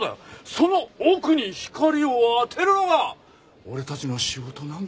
その奥に光を当てるのが俺たちの仕事なんだよ。